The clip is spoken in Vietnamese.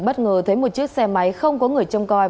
bất ngờ thấy một chiếc xe máy không có người trông coi